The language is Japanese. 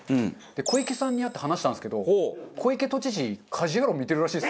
小池さんに会って話したんですけど小池都知事『家事ヤロウ！！！』見てるらしいですよ。